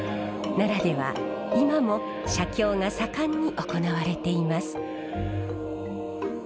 奈良では今も写経が盛んに行われています。